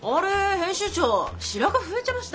編集長白髪増えちゃいました？